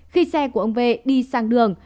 khi xe của ông vê đi sang đường